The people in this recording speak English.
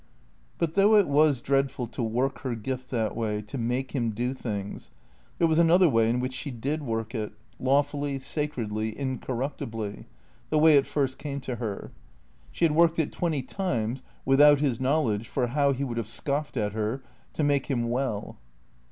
But though it was dreadful to "work" her gift that way, to make him do things, there was another way in which she did work it, lawfully, sacredly, incorruptibly the way it first came to her. She had worked it twenty times (without his knowledge, for how he would have scoffed at her!) to make him well.